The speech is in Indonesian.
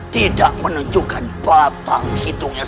tidak menunjukkan batang hidungnya